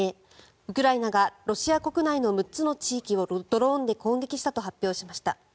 ウクライナがロシア国内の６つの地域をドローンで攻撃したと発表しました。